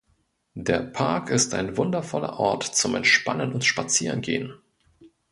Der Park ist ein wundervoller Ort zum Entspannen und Spazierengehen.